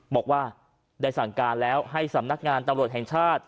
บอกว่าได้สั่งการแล้วให้สำนักงานตำรวจแห่งชาติ